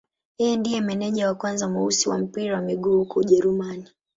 Yeye ndiye meneja wa kwanza mweusi wa mpira wa miguu huko Ujerumani.